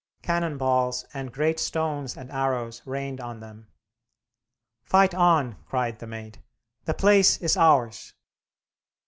Cannon balls and great stones and arrows rained on them. "Fight on!" cried the Maid; "the place is ours."